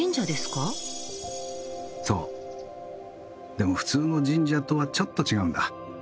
でも普通の神社とはちょっと違うんだ。